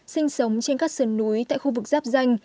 sinh sống trên các sườn núi tại khu vực giáp danh